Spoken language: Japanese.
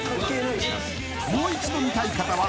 ［もう一度見たい方は］